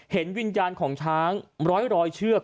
เห็นวิญญาณของช้างร้อยเชือก